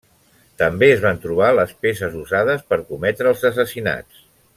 També es van trobar les peces usades per cometre els assassinats.